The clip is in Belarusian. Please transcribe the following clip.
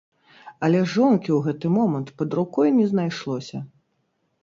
Але жонкі ў гэты момант пад рукой не знайшлося.